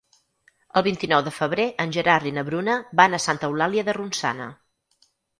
El vint-i-nou de febrer en Gerard i na Bruna van a Santa Eulàlia de Ronçana.